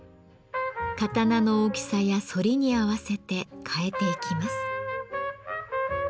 刀の大きさや反りに合わせて変えていきます。